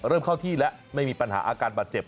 เริ่มเข้าที่แล้วไม่มีปัญหาอาการบาดเจ็บ